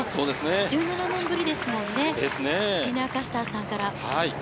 １７年ぶりですもんね、ディーナ・カスターさんから。